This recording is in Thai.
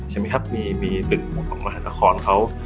ใช่ไหมครับมีตึกมหาคอนเขา